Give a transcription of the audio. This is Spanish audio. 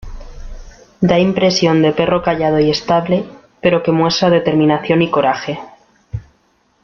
Da impresión de perro callado y estable pero que muestra determinación y coraje.